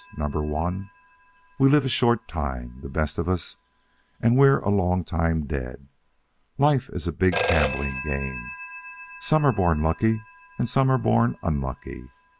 Number one: We live a short time, the best of us, and we're a long time dead. Life is a big gambling game. Some are born lucky and some are born unlucky.